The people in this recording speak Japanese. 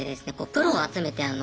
プロを集めてあの。